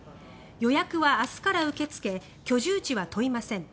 予約は明日から受け付け居住地は問いません。